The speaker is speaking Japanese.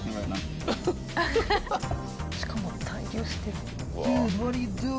しかも滞留してる。